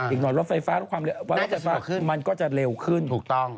อีกหน่อยรถไฟฟ้ารถความขึ้นมันก็จะเร็วขึ้นถูกต้อง